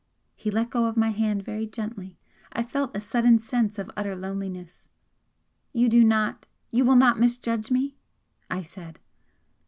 He let go my hand very gently I felt a sudden sense of utter loneliness. "You do not you will not misjudge me?" I said.